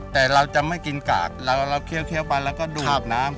แต่เราจะไม่กินกากเราเคี้ยวไปแล้วก็ดูดน้ำ